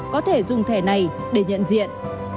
có thể dùng thẻ này để nhận diện